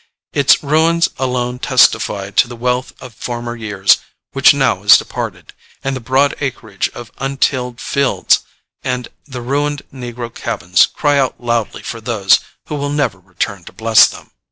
Its ruins alone testify to the wealth of former years which now is departed, and the broad acreage of untilled fields and the ruined negro cabins cry out loudly for those who will never return to bless them.